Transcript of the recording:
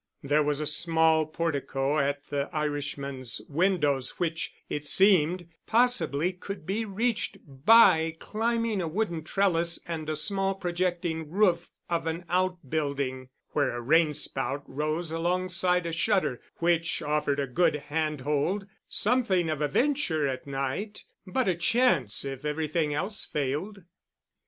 There was a small portico at the Irishman's windows which, it seemed, possibly could be reached by climbing a wooden trellis and a small projecting roof of an out building where a rain spout rose alongside a shutter which offered a good hand hold—something of a venture at night, but a chance if everything else failed.